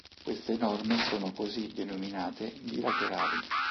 Queste norme sono così denominate "bilaterali".